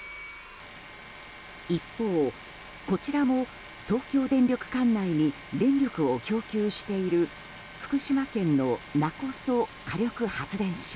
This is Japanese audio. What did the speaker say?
一方、こちらも東京電力管内に電力を供給している福島県の勿来火力発電所。